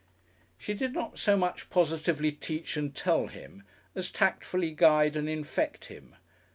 She did not so much positively teach and tell him as tactfully guide and infect him.